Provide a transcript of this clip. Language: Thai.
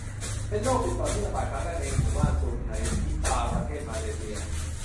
เป็นโรคติดต่อที่ระบาดครั้งแรกในหมู่บ้านสุไหงนิปาห์ ประเทศมาเลเซีย